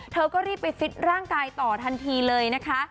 เธอก็รีบไปฟิตร่างกายต่อทันทีเลยนะคะ